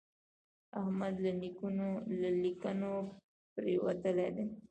احمد له لېنګو پرېوتلی دی.